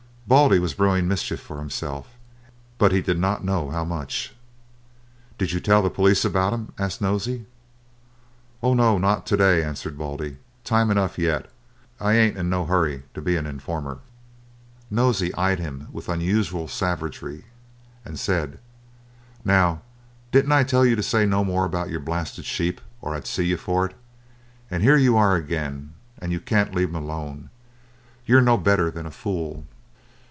Baldy was brewing mischief for himself, but he did not know how much. "Did you tell the police about 'em?" asked Nosey. "Oh, no, not to day!" answered Baldy. "Time enough yet. I ain't in no hurry to be an informer." Nosey eyed him with unusual savagery, and said: "Now didn't I tell you to say no more about your blasted sheep, or I'd see you for it? and here you are again, and you can't leave 'em alone. You are no better than a fool."